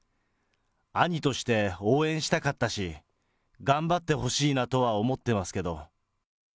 兄として応援したかったし、頑張ってほしいなとは思ってますけど。